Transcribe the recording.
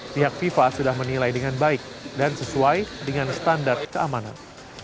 pihak fifa sudah menilai dengan baik dan sesuai dengan standar keamanan